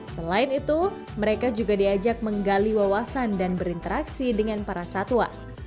selain itu mereka juga diajak menggali wawasan dan berinteraksi dengan para satwa